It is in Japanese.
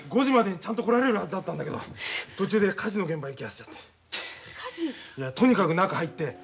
５時までにちゃんと来られるはずだったんだけど途中で火事の現場に行き合わせちゃって。